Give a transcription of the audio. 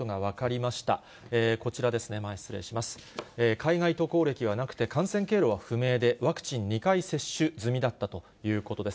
海外渡航歴はなくて、感染経路は不明で、ワクチン２回接種済みだったということです。